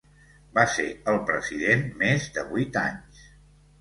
Va ser el president més de vuit anys.